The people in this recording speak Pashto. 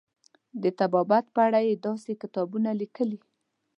د طبابت په اړه یې داسې کتابونه لیکلي.